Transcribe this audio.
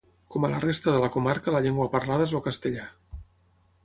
Com a la resta de la comarca la llengua parlada és el castellà.